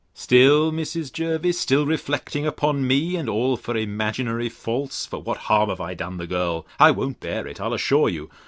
Still, Mrs. Jervis, still reflecting upon me, and all for imaginary faults! for what harm have I done the girl?—I won't bear it, I'll assure you.